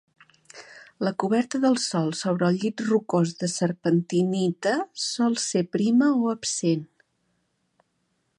La coberta del sòl sobre el llit rocós de serpentinita sol ser prima o absent.